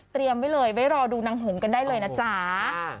ไว้เลยไว้รอดูนางหึงกันได้เลยนะจ๊ะ